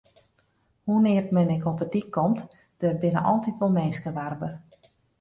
Hoenear't men ek op 'e dyk komt, der binne altyd wol minsken warber.